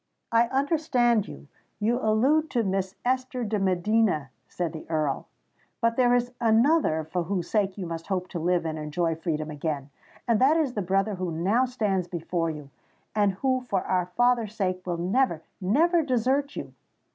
"I understand you—you allude to Miss Esther de Medina," said the Earl. "But there is another for whose sake you must hope to live and enjoy freedom again: and that is the brother who now stands before you, and who, for our father's sake, will never—never desert you!"